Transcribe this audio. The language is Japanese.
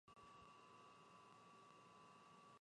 最近はバウムクーヘンにハマってる